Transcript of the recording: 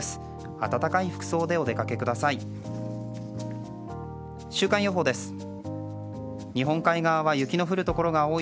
暖かい服装でお出かけください。